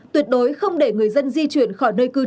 tuyệt đối không để người dân di chuyển khỏi nơi cơ quan